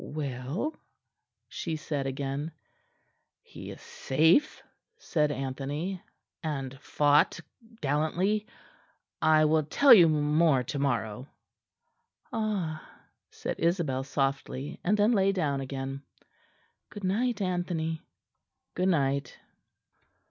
"Well?" she said again. "He is safe," said Anthony, "and fought gallantly. I will tell you more to morrow." "Ah!" said Isabel softly; and then lay down again. "Good night, Anthony." "Good night."